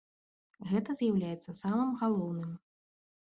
Гэта з'яўляецца самым галоўным.